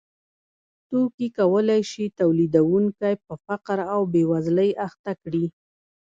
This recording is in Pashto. توکي کولای شي تولیدونکی په فقر او بېوزلۍ اخته کړي